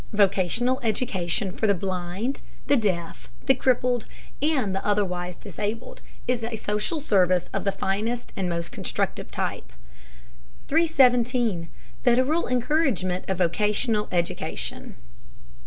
Vocational education for the blind, the deaf, the crippled, and the otherwise disabled is social service of the finest and most constructive type. 317. FEDERAL ENCOURAGEMENT OF VOCATIONAL EDUCATION.